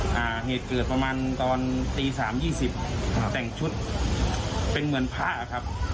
เหตุเกิดประมาณตอนตี๓๒๐แต่งชุดเป็นเหมือนพระครับ